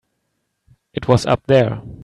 It was up there.